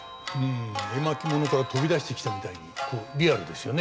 絵巻物から飛び出してきたみたいにリアルですよね